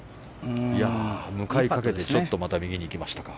向かいかけて、ちょっとまた右へ行きましたか。